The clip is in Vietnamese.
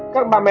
các bệnh nhân